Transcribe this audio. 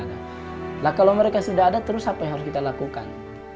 nah kalau mereka sudah ada terus apa yang harus kita lakukan